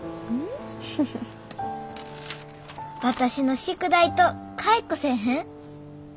私の宿題と換えっこせえへん？